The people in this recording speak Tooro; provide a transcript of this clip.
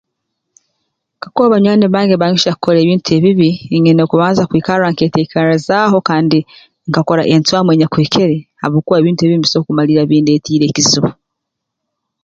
Kakuba banywani bange banyohya kukora ebintu ebibi ningenda kubanza kwikarra nketeekerezaaho kandi nkakora encwamu enyakuhikire habwokuba ebintu ebibi mbisobora kumalirra bindeetiire ekizibu